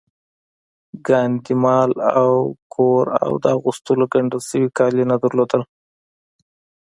ګاندي مال او کور او د اغوستو ګنډل شوي کالي نه درلودل